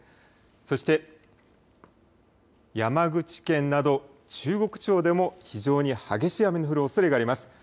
そして山口県など中国地方でも非常に激しい雨の降るおそれがあります。